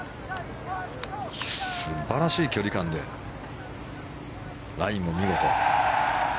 素晴らしい距離感でラインも見事。